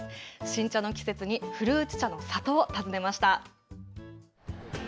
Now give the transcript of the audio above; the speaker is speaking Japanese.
新茶の季節に古内茶の里を訪ねました。